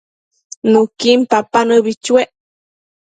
Nuquin papa nëbi chuec